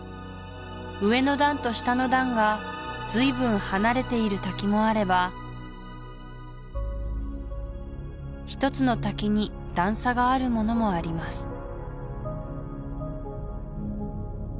上の段と下の段がずいぶん離れている滝もあれば一つの滝に段差があるものもあります